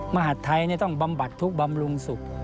มหาดไทยต้องบำบัดทุกข์บำรุงสุข